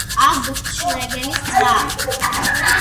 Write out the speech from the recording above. ავგუსტ შლეგელის ძმა.